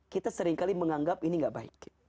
kita seringkali menganggap ini gak baik